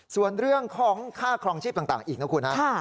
ส่วนเรื่องของค่าครองชีพต่างอีกนะคุณฮะ